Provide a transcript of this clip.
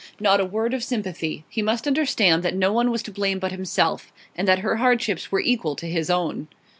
Not a word of sympathy; he must understand that no one was to blame but himself; and that her hardships were equal to his own.